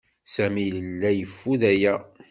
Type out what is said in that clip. Sami yella yeffud aya.